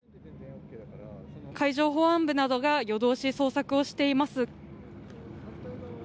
海上保安部などが夜通し捜索をしています。